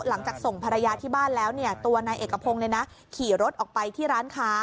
หลังจากส่งภรรยาที่บ้านแล้วตัวนายเอกพงศ์ขี่รถออกไปที่ร้านค้า